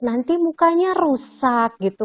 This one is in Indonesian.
nanti mukanya rusak gitu